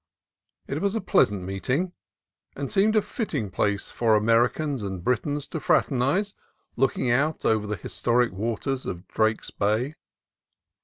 It was a pleasant meeting, and seemed a fitting place for Americans and Britons to fraternize, looking out over the historic waters of Drake's Bay.